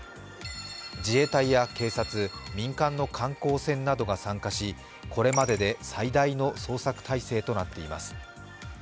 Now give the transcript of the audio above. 自衛隊や警察、民間の観光船などが参加し、これまでで最大の捜索態勢となっています。